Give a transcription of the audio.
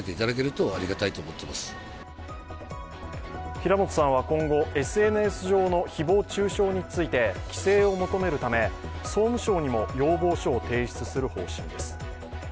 平本さんは今後、ＳＮＳ上の誹謗中傷について、規制を求めるため、総務省にも要望書を提出する方針です。